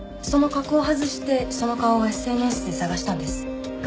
その加工を外してその顔をＳＮＳで捜したんです。